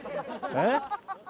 えっ？